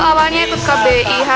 dulu awalnya ikut kbih